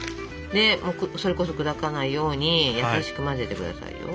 でそれこそ砕かないように優しく混ぜて下さいよ。